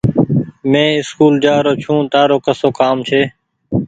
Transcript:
مينٚ اسڪول جآرو ڇوٚنٚ تآرو ڪسو ڪآم ڇي